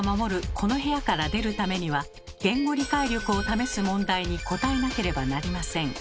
この部屋から出るためには言語理解力を試す問題に答えなければなりません。